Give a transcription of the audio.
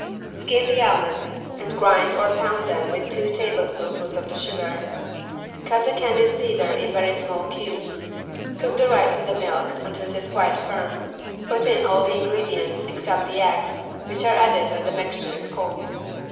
Skin the almonds and grind or pound them with two tablespoonfuls of the sugar. Cut the candied cedar in very small cubes. Cook the rice in the milk until it is quite firm, put in all the ingredients except the eggs, which are added when the mixture is cold.